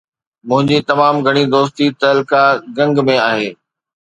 منهنجي تمام گهڻي دوستي تعلقه گنگ ۾ آهي.